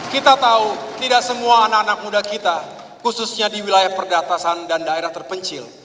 kita tahu tidak semua anak anak muda kita khususnya di wilayah perbatasan dan daerah terpencil